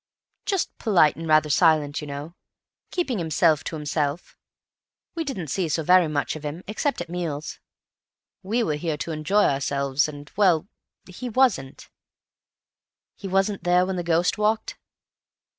"Just polite and rather silent, you know. Keeping himself to himself. We didn't see so very much of him, except at meals. We were here to enjoy ourselves, and—well, he wasn't." "He wasn't there when the ghost walked?"